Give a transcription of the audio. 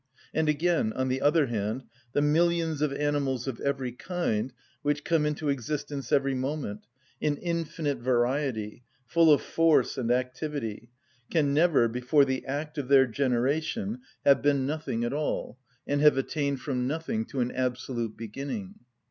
And again, on the other hand, the millions of animals of every kind which come into existence every moment, in infinite variety, full of force and activity, can never, before the act of their generation, have been nothing at all, and have attained from nothing to an absolute beginning.